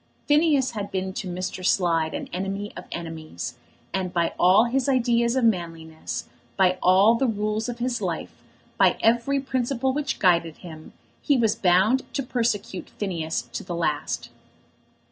Phineas had been to Mr. Slide an enemy of enemies, and by all his ideas of manliness, by all the rules of his life, by every principle which guided him, he was bound to persecute Phineas to the last.